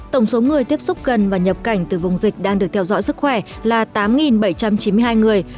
tổng số người tiếp xúc gần và nhập cảnh từ vùng dịch đang được theo dõi sức khỏe là tám bảy trăm chín mươi hai người